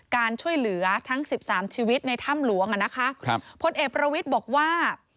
การช่วยเหลือทั้งสิบสามชีวิตในถ้ำหลวงอ่ะนะคะครับพลเอกประวิทย์บอกว่า